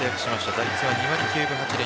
打率は２割９分８厘。